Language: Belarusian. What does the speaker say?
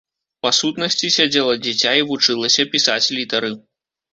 Па сутнасці, сядзела дзіця і вучылася пісаць літары.